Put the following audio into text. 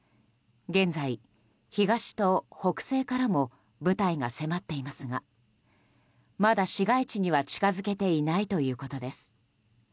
現在、東と北西からも部隊が迫っていますがまだ市街地には近づけていないということです。